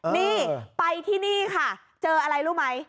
นี่ไปที่นี่ค่ะเจออะไรรู้ไหม